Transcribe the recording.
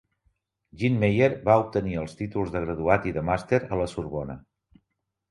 Jean Meyer va obtenir els títols de graduat i de màster a la Sorbona.